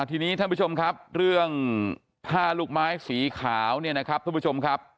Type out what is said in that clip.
ทีนี้ท่านผู้ชมครับเรื่องผ้าลูกไม้สีขาวเนี่ยนะครับทุกผู้ชมครับ